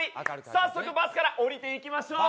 早速バスから降りていきましょう。